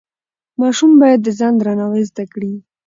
ماشوم باید د ځان درناوی زده کړي.